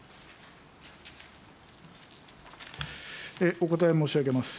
お答え申し上げます。